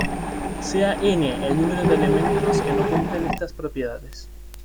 Sea N el número de elementos que no cumplen estas propiedades.